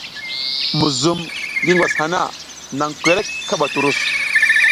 Muzum ngi ngwas hana, nan kwerek kaɓa turus.